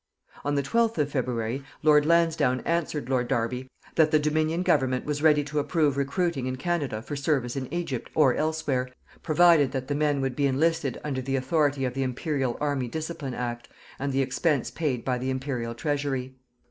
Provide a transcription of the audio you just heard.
On the 12th of February, Lord Lansdowne answered Lord Derby that the Dominion Government was ready to approve recruiting in Canada for service in Egypt or elsewhere, provided that the men would be enlisted under the authority of the Imperial Army Discipline Act, and the expense paid by the Imperial Treasury.